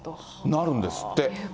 なるんですって。